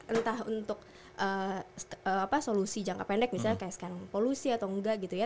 entah untuk apa solusi jangka pendek misalnya kaiskan polusi atau enggak gitu ya